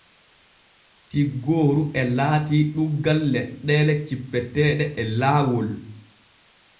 Tiggooru e laati ɗuuggal leɗɗeele cippeteeɗe e laawol.